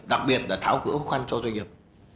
đặc biệt là tháo cửa khăn cho doanh nghiệp